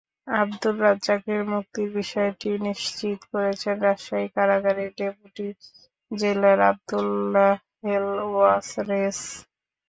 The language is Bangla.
আবদুর রাজ্জাকের মুক্তির বিষয়টি নিশ্চিত করেছেন রাজশাহী কারাগারের ডেপুটি জেলার আবদুল্লাহেল ওয়ারেস।